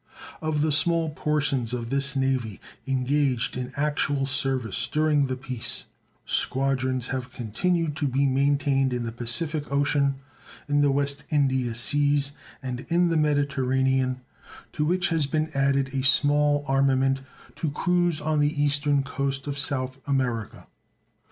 Of the small portions of this Navy engaged in actual service during the peace, squadrons have continued to be maintained in the Pacific Ocean, in the West India seas, and in the Mediterranean, to which has been added a small armament to cruise on the eastern coast of South America.